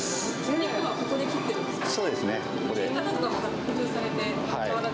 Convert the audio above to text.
肉はここで切ってるんですか？